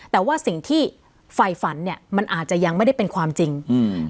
แต่ว่าสิ่งที่ไฟฝันเนี้ยมันอาจจะยังไม่ได้เป็นความจริงอืม